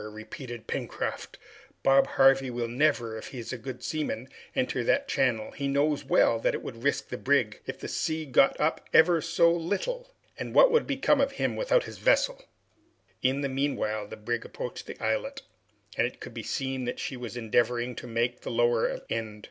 repeated Pencroft, "Bob Harvey will never, if he is a good seaman, enter that channel! He knows well that it would risk the brig, if the sea got up ever so little! And what would become of him without his vessel?" In the meanwhile the brig approached the islet, and it could be seen that she was endeavoring to make the lower end.